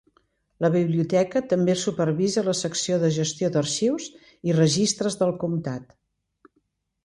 La biblioteca també supervisa la secció de gestió d'arxius i registres del comtat.